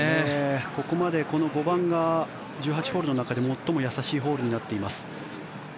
ここまで、この５番が１８ホールの中で最も易しいホールになっています。